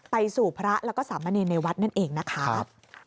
ไปสู่พระแล้วก็สามเณรในวัดนั่นเองนะคะ